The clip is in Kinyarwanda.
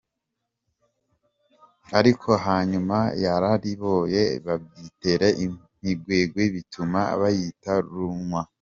Ariko hanyuma yarariboye “Bayitera imikwege ,bituma bayita Rwuma “.